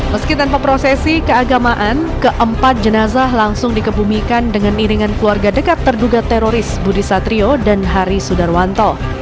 meski tanpa prosesi keagamaan keempat jenazah langsung dikebumikan dengan iringan keluarga dekat terduga teroris budi satrio dan hari sudarwanto